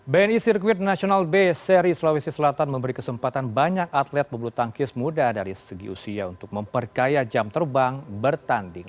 bni sirkuit nasional b seri sulawesi selatan memberi kesempatan banyak atlet pebulu tangkis muda dari segi usia untuk memperkaya jam terbang bertanding